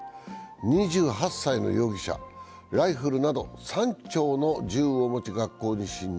２８歳の容疑者、ライフルなど３丁の銃を持ち学校に侵入。